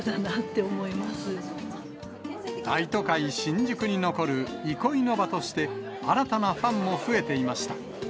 大都会、新宿に残る憩いの場として、新たなファンも増えていました。